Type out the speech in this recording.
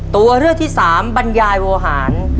ตัวเลือกที่สามบรรยายโวหาร